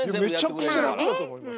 めちゃくちゃ楽だと思います。